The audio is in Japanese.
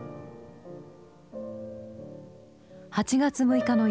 ８月６日の夜。